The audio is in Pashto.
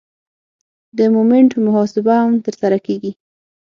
د مومنټ محاسبه هم ترسره کیږي